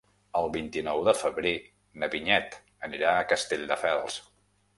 El vint-i-nou de febrer na Vinyet anirà a Castelldefels.